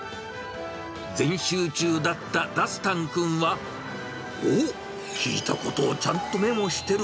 全集中だったダスタン君は、おっ、聞いたことをちゃんとメモしてる。